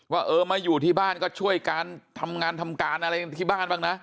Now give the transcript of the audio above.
ว่าเออมาอยู่ที่บ้านก็ช่วยการทำงานทำการอะไรที่บ้านบ้างนะ